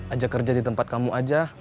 ajak kerja di tempat kamu aja